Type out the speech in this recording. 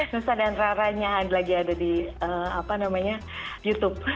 nusa dan raranya lagi ada di youtube